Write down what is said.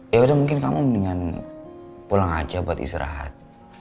ya udah mungkin kamu mendingan pulang aja buat istirahat